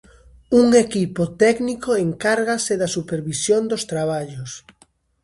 Un equipo técnico encárgase da supervisión dos traballos.